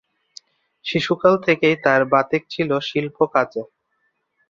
শিশুকাল থেকেই তাঁর বাতিক ছিল শিল্পকাজে।